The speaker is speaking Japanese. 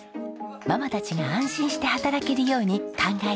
ママたちが安心して働けるように考えだした仕組みです。